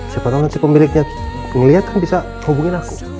siapa tau si pemiliknya ngeliat kan bisa hubungin aku